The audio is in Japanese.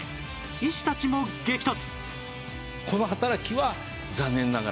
医師たちも激突！